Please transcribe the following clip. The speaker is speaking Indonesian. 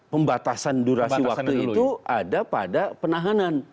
pembatasan durasi waktu itu ada pada penahanan